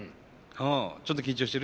ちょっと緊張してる？